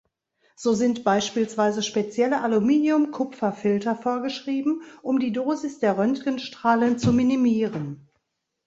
So sind beispielsweise spezielle Aluminium-Kupfer-Filter vorgeschrieben, um die Dosis der Röntgenstrahlen zu minimieren.